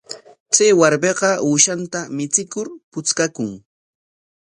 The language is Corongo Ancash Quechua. Chay warmiqa uushanta michikur puchkakun.